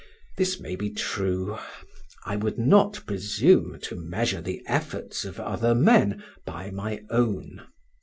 This may be true. I would not presume to measure the efforts of other men by my own.